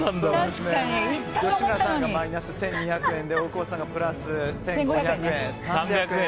吉村さんがマイナス１２００円で大久保さんがプラス１５００円。